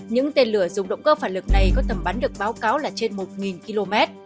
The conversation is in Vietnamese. những tên lửa dùng động cơ phản lực này có tầm bắn được báo cáo là trên một km